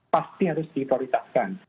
pasti harus diprioritaskan